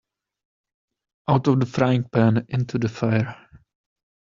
Out of the frying-pan into the fire